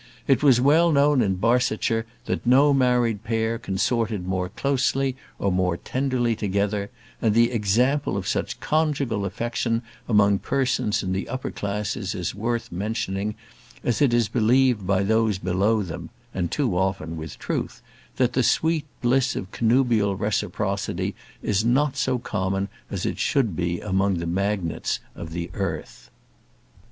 It was well known in Barsetshire that no married pair consorted more closely or more tenderly together; and the example of such conjugal affection among persons in the upper classes is worth mentioning, as it is believed by those below them, and too often with truth, that the sweet bliss of connubial reciprocity is not so common as it should be among the magnates of the earth.